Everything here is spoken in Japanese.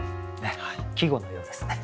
季語のようですね。